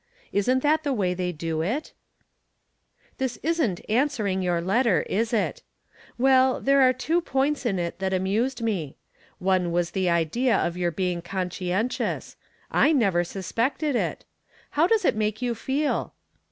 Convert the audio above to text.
Isn't that the way they do it ? This isn't answering your letter, is it ? Well, there were two points in it that amused me. One was the idea of your being conscientious ! I never suspected it ! How does it make you feel